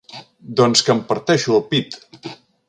Doncs que em parteixo el pit!